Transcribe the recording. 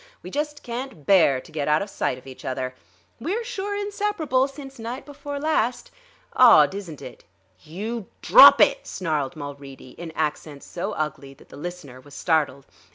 We just can't bear to get out of sight of each other. We're sure inseparable since night before last. Odd, isn't it?" "You drop it!" snarled Mulready, in accents so ugly that the listener was startled.